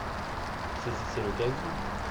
Saisissez l’occasion.